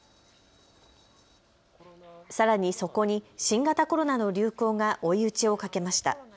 さらにそこに新型コロナの流行が追い打ちをかけました。